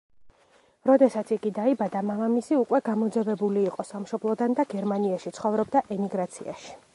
როდესაც იგი დაიბადა, მამამისი უკვე გამოძევებული იყო სამშობლოდან და გერმანიაში ცხოვრობდა ემიგრაციაში.